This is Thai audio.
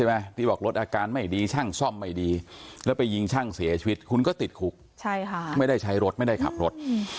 ที่บอกรถอาการไม่ดีช่างซ่อมไม่ดีแล้วไปยิงช่างเสียชีวิตคุณก็ติดคุกไม่ได้ใช้รถไม่ได้ขับรถ